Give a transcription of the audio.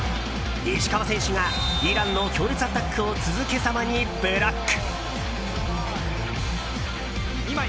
石川選手がイランの強烈アタックを続けざまにブロック。